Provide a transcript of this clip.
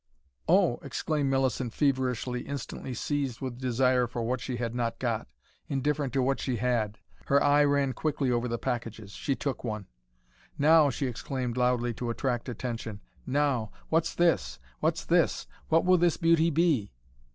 "Oh!" exclaimed Millicent feverishly, instantly seized with desire for what she had not got, indifferent to what she had. Her eye ran quickly over the packages. She took one. "Now!" she exclaimed loudly, to attract attention. "Now! What's this? What's this? What will this beauty be?"